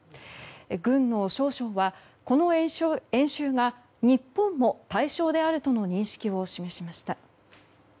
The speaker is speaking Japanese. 軍の少将は、この演習が日本も対象であるとの認識を示しました。